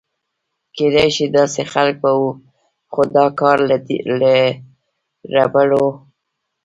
کېدای شي داسې خلک به و، خو دا کار له ربړو.